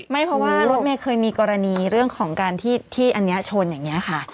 ไม่เพราะว่ารถเมย์เคยมีกรณีเรื่องของการที่อันนี้ชนอย่างนี้ค่ะ